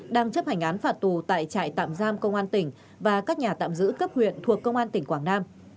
đang chấp hành án phạt tù tại trại tạm giam công an tỉnh và các nhà tạm giữ cấp huyện thuộc công an tỉnh quảng nam